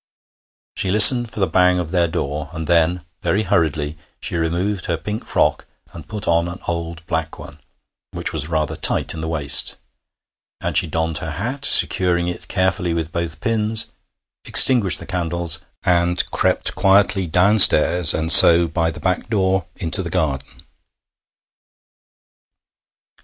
She listened for the bang of their door, and then, very hurriedly, she removed her pink frock and put on an old black one, which was rather tight in the waist. And she donned her hat, securing it carefully with both pins, extinguished the candles, and crept quietly downstairs, and so by the back door into the garden.